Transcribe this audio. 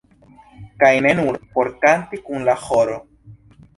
Kaj ne nur por kanti kun la ĥoro.